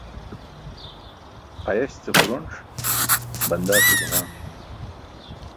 Ayaś ce xuronc, bandaa ce gunaah.